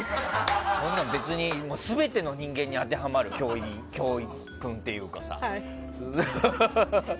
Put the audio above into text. そんなの別に、全ての人間に当てはまる教訓っていうかさ。